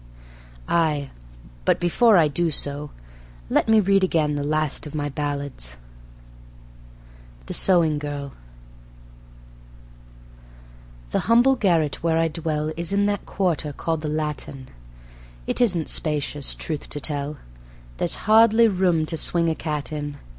Aye, but before I do so, let me read again the last of my Ballads. The Sewing Girl The humble garret where I dwell Is in that Quarter called the Latin; It isn't spacious truth to tell, There's hardly room to swing a cat in.